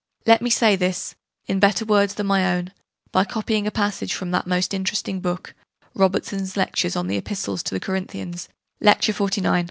Let me say this, in better words than my own, by copying a passage from that most interesting book, Robertson's Lectures on the Epistles to the Corinthians, Lecture XLIX.